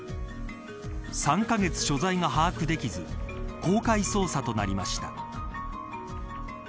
３カ月所在が把握できず公開捜査となりました。